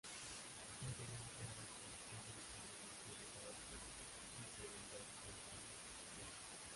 Integrante de las comisiones permanentes de Trabajo; y Seguridad Ciudadana y Drogas.